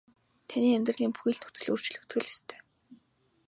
Таны амьдралын бүхий л нөхцөл өөрчлөгдөх л ёстой.